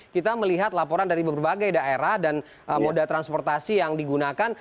kita melihat laporan dari berbagai daerah dan moda transportasi yang digunakan